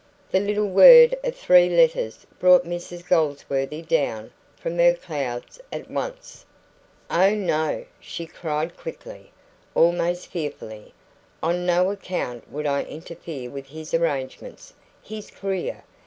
The little word of three letters brought Mrs Goldsworthy down from her clouds at once. "Oh, no!" she cried quickly, almost fearfully. "On no account would I interfere with his arrangements, his career.